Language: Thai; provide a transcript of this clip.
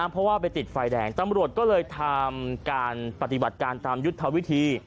เพราะว่าไปติดไฟแดงตำรวจก็เลยทำการปฏิบัติการตามยุทธวิธี